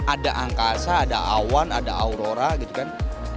ada angkasa ada awan ada aurora gitu kan